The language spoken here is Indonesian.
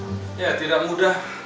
supaya membuat dodol yang berlangsung lama